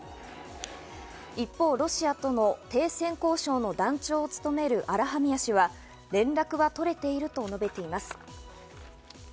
一方、ロシアとの停戦交渉の団長を務めるアラハミア氏は、連絡は取れていると述べています。